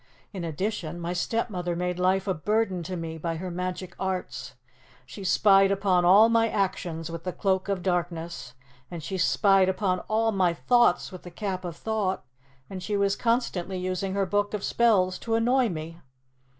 In addition, my stepmother made life a burden to me by her magic arts. She spied upon all my actions with the Cloak of Darkness, and she spied upon all my thoughts with the Cap of Thought, and she was constantly using her Book of Spells to annoy me.